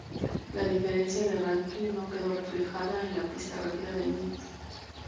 La diferencia de ranking no quedó reflejada en la pista rápida de Minsk.